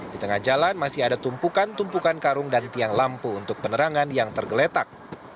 di tengah jalan masih ada tumpukan tumpukan karung dan tiang lampu untuk penerangan yang tergeletak